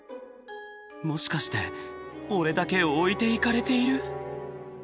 もしかして俺だけ置いていかれている？